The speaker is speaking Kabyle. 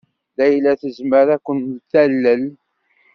Layla tezmer ad ken-talel.